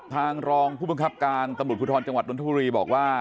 ทางรองผู้บังคับการตมพุทธรจังหวัดดนทบุรีบอกว่า